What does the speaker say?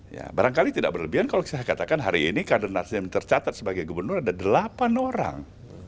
ya barangkali tidak berlebihan kalau saya katakan hari ini kader nasdem yang tercatat sebagai gubernur ada delapan orang